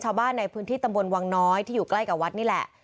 ชาวบ้านในพื้นที่ตำบลวังน้อยที่อยู่ใกล้กับวัดนี่แหละ